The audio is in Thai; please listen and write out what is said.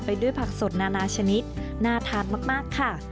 ด้วยผักสดนานาชนิดน่าทานมากค่ะ